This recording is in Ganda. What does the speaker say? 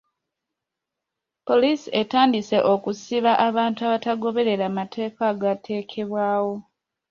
Poliisi etandise okusiba abantu abatagoberedde mateeka agaateekebwawo.